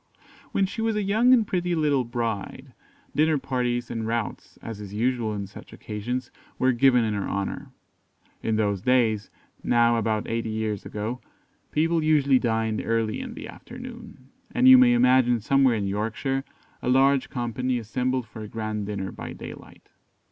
When she was a young and pretty little bride, dinner parties and routs, as is usual on such occasions, were given in her honour. In those days, now about eighty years ago, people usually dined early in the afternoon, and you may imagine somewhere in Yorkshire, a large company assembled for a grand dinner by daylight.